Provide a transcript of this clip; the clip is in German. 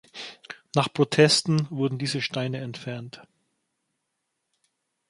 Nach Protesten wurden diese Steine entfernt.